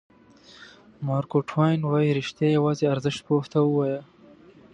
مارک ټواین وایي رښتیا یوازې ارزښت پوه ته ووایه.